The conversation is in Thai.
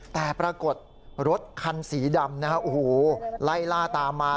แต่ปรากฏรถคันสีดำนะฮะโอ้โหไล่ล่าตามมา